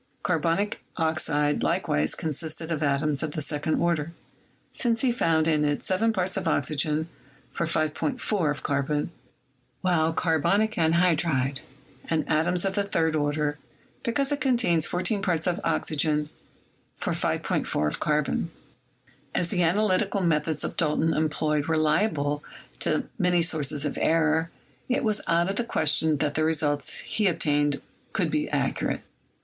Carbonic oxide likewise consisted of atoms of the second order, since he found in it 7 parts of oxygen for 5.4 of carbon, while carbonic anhydride had atoms of the third order, because it contains 14 parts of oxygen for 5.4 of carbon. As the analytical methods Dalton employed were liable to many sources of error, it was out of the question that the results he obtained could be accurate.